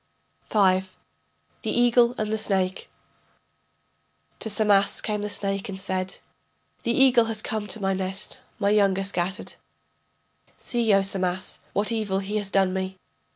V. THE EAGLE AND THE SNAKE To Samas came the snake and said: The eagle has come to my nest, my young are scattered. See, O Samas, what evil he has done me.